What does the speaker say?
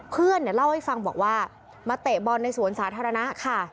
เพื่อนเนี่ยเล่าให้ฟังบอกว่ามาเตะบอลในสวนสาธารณะค่ะ